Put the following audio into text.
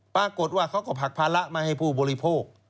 ปรากฏว่าเขาก็ผลักภาระมาให้ผู้บริโภค